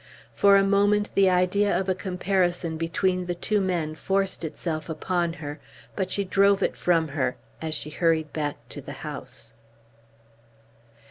For a moment the idea of a comparison between the two men forced itself upon her, but she drove it from her as she hurried back to the house.